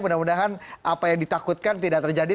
mudah mudahan apa yang ditakutkan tidak terjadi